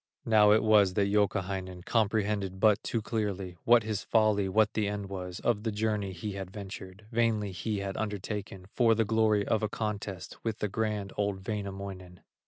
Now it was that Youkahainen Comprehended but too clearly What his folly, what the end was, Of the journey he had ventured, Vainly he had undertaken For the glory of a contest With the grand, old Wainamoinen.